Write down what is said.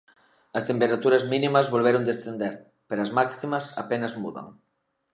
As temperaturas mínimas volveron descender, pero as máximas apenas mudan.